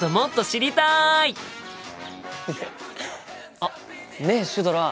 あっねえシュドラ。